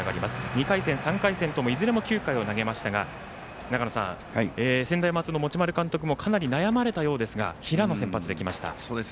２回戦、３回戦ともいずれも９回を投げましたが専大松戸持丸監督もかなり悩まれたようですが平野、先発できました。